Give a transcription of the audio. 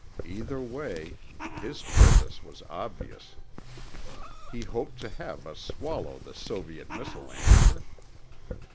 Either way, his purpose was obvious. He hoped to have us swallow the Soviet missile answer.